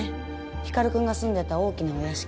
光くんが住んでた大きなお屋敷。